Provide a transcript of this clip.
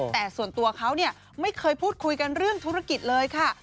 แต่ส่วนตัวเขาไม่เคยพูดคุยกันเรื่องธุรกิจเลยค่ะ